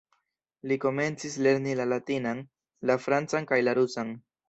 Li komencis lerni la latinan, la francan kaj la rusan.